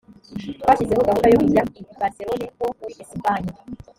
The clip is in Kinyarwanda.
twashyizeho gahunda yo kujya i barcelone ho muri esipanye